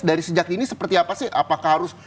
dari sejak dini seperti apa sih apakah harus